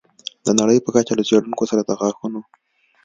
د نړۍ په کچه له څېړونکو سره د غاښونو